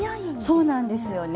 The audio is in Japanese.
そうなんですよね。